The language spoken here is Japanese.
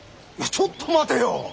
ちょっと待てよ。